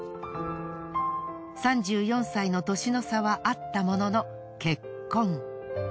３４歳の年の差はあったものの結婚。